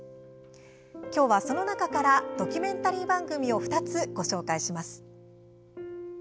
今日は、その中からドキュメンタリー番組を２つご紹介します。